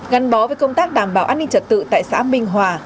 gắn bó với công tác đảm bảo an ninh trật tự tại xã minh hòa